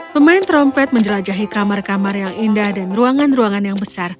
pemain trompet menjelajahi kamar kamar yang indah dan ruangan ruangan yang besar